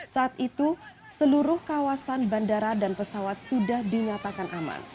saat itu seluruh kawasan bandara dan pesawat sudah dinyatakan aman